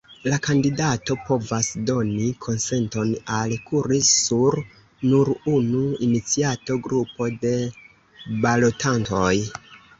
La kandidato povas doni konsenton al kuri sur nur unu iniciato grupo de balotantoj.